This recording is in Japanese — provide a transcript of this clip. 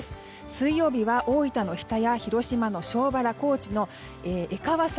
水曜日は、大分の日田や広島の庄原、そして高知の江川崎